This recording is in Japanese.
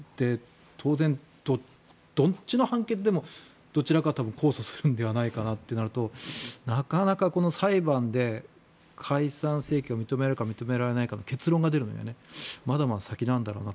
当然、どっちの判決でもどちらかは控訴するのではないかとなるとなかなか裁判で解散請求が認められるか認められないかの結論が出るのはまだまだ先なんだろうなと。